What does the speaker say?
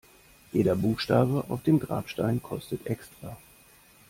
Jeder Buchstabe auf dem Grabstein kostet extra.